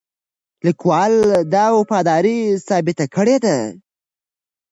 لیکوال دا وفاداري ثابته کړې ده.